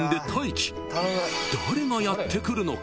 ［誰がやって来るのか？］